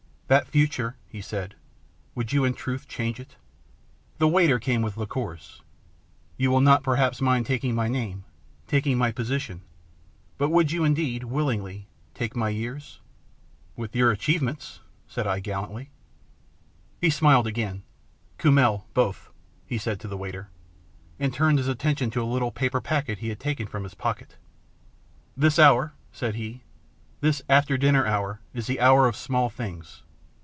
" That future," he said, " would you in truth change it ?" The waiter came with liqueurs. " You will not perhaps mind taking my name, taking my position, but would you indeed willingly take my years ?"" With your achievements," said I gallantly. He smiled again. " Kummel both," he said to the waiter, and turned his attention to a little paper packet he had taken from his pocket. " This hour," said he, " this after dinner hour is the hour of small things.